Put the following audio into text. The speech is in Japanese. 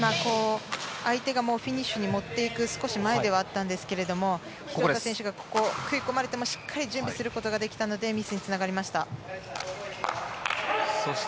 相手がフィニッシュに持っていく少し前ではあったんですが廣田選手が食い込まれてもしっかり準備することができたのでミスにつながりました。